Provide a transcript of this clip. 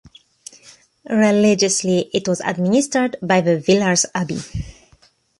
Religiously, it was administered by the Villers Abbey.